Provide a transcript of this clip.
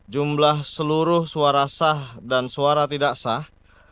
jumlah seluruh suara sah dan suara tidak sah